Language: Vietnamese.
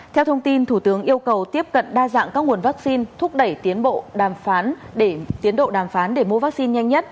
theo thông tin thủ tướng yêu cầu tiếp cận đa dạng các nguồn vaccine thúc đẩy tiến độ đàm phán để mua vaccine nhanh nhất